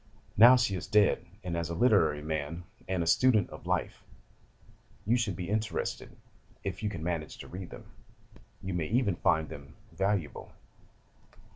Now she is dead, and as a literary man, and a student of life, you should be interested, if you can manage to read them. You may even find them valuable.